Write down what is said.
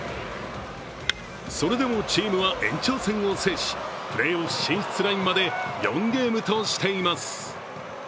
それでもチームは延長戦を制しプレーオフ進出ラインまで４ゲームとしています。